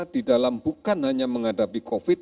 di dalam bukan hanya menghadapi covid sembilan belas